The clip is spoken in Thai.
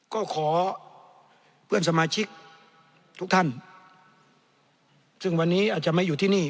ก็ขอเพื่อนสมาชิกทุกท่านซึ่งวันนี้อาจจะไม่อยู่ที่นี่